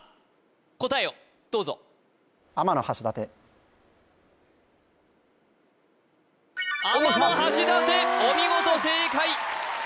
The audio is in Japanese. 答えをどうぞ天橋立お見事正解